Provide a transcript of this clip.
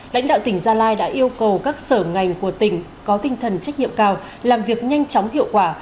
lãnh đạo tỉnh gia lai đã yêu cầu các sở ngành của tỉnh có tinh thần trách nhiệm cao làm việc nhanh chóng hiệu quả